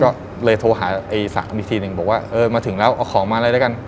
ก็เลยโทรหาไอ้สามอีกทีหนึ่งบอกว่าเออมาถึงแล้วเอาของมาเลยแล้วกัน